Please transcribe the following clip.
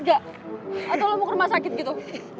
aduh lo mau ke rumah sakit gitu